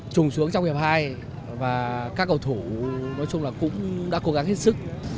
trùng xuống trong hiệp hai và các cầu thủ nói chung là cũng đã cố gắng hết sức